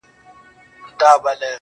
زما ياران اوس په دې شكل سـوله.